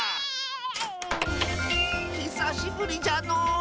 ひさしぶりじゃのう。